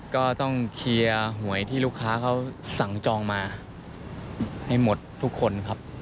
ก็ต้องเคลียร์หวยที่ลูกค้าเขาสั่งจองมาให้หมดทุกคนครับ